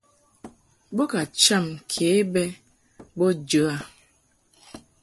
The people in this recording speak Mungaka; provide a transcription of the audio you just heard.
Bo bə cham ke bɛ bo jə a.